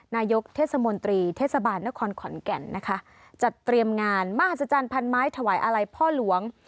นายกเทศมนตรีเทศบาลนครขอนแก่นนะคะจัดเตรียมงานมหัศจรรย์พันไม้ถวายอาลัยพ่อหลวง